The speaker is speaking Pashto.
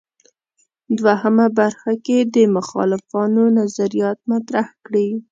دوهمه برخه کې د مخالفانو نظریات مطرح کړي.